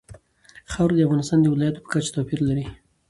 خاوره د افغانستان د ولایاتو په کچه توپیر لري.